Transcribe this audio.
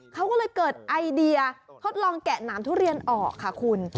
เขาก็เลยเกิดไอเดียทดลองแกะหนามทุเรียนออกค่ะคุณ